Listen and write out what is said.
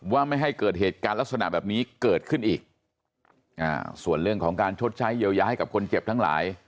ไม่ให้เกิดเหตุการณ์ลักษณะแบบนี้เกิดขึ้นอีกอ่าส่วนเรื่องของการชดใช้เยียวยาให้กับคนเจ็บทั้งหลาย